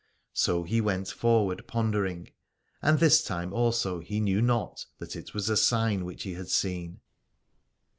So he went forward pondering, and this time also he knew not that it was a sign which he had seen.